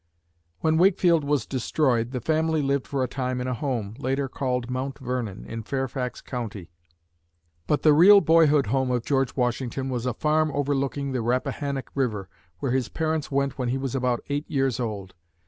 When "Wakefield" was destroyed, the family lived for a time in a home, later called Mount Vernon, in Fairfax County. But the real boyhood home of George Washington was a farm overlooking the Rappahannock River, where his parents went when he was about eight years old.